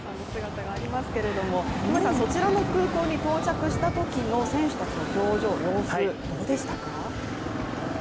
そちらの空港に到着したときの選手たちの表情、様子どうでしたか？